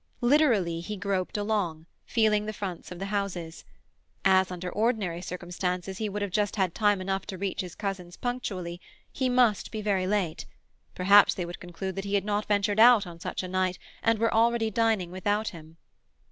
Literally he groped along, feeling the fronts of the houses. As under ordinary circumstances he would have had only just time enough to reach his cousin's punctually, he must be very late: perhaps they would conclude that he had not ventured out on such a night, and were already dining without him.